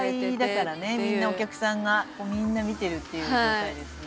みんなお客さんがみんな見てるっていう状態ですね。